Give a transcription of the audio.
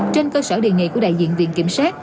trên cơ sở đề nghị của đại diện viện kiểm sát